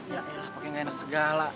yaelah pake gak enak segala